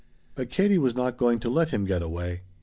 But Katie was not going to let him get away.